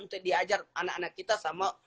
untuk diajar anak anak kita sama